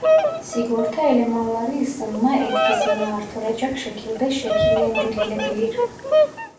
Sigorta elemanları ısınma etkisini artıracak şekilde şekillendirilebilir.